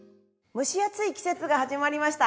蒸し暑い季節が始まりました。